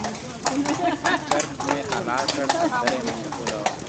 د چرګ مې حلال کړ سندره یې مشهوره وه.